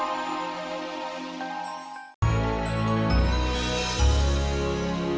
iya aku temenin kamu